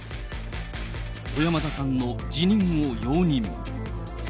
小山田さんの辞任を容認。